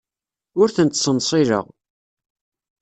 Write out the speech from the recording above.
Ur ten-ttsenṣileɣ.